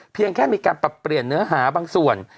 เพียงแค่มีการปรับเปลี่ยนเนื้อหาบางส่วน